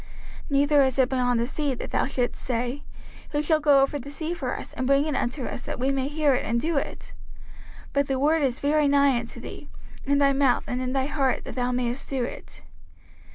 05:030:013 Neither is it beyond the sea, that thou shouldest say, Who shall go over the sea for us, and bring it unto us, that we may hear it, and do it? 05:030:014 But the word is very nigh unto thee, in thy mouth, and in thy heart, that thou mayest do it.